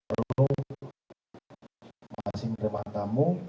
masing masing tempat tamu